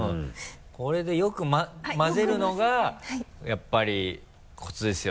これでよくまぜるのがやっぱりコツですよね。